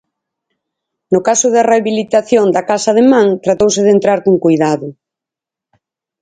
No caso da rehabilitación da Casa de Man tratouse de entrar con coidado.